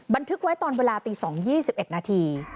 บันทึกไว้ตอนเวลาตี๒ห้าสิบสี่นาที